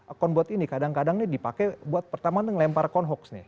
account buat ini kadang kadang ini dipakai buat pertama ngelempar account hoax nih